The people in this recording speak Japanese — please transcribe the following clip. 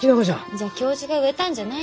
じゃあ教授が植えたんじゃないんですか？